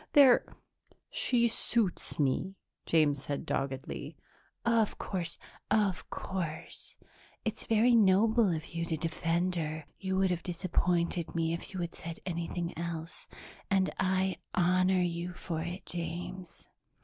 "They're she suits me," James said doggedly. "Of course, of course. It's very noble of you to defend her; you would have disappointed me if you had said anything else, and I honor you for it, James."